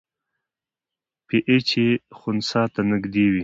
پی ایچ یې خنثی ته نږدې وي.